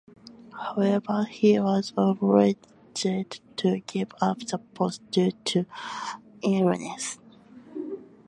However he was obliged to give up the post due to illness.